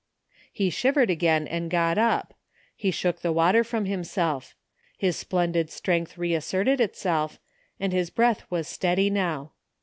He shivered again and got up. He shook the water from himself. His splendid strength reasserted itself, and his breath was steady now.